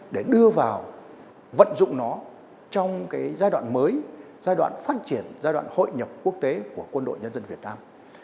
để đưa vào vận dụng nó trong cái giai đoạn mới giai đoạn phát triển giai đoạn hội nhập quốc tế của quân đội nhân dân việt nam